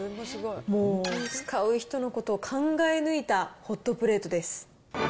もう使う人のことを考え抜いたホットプレートです。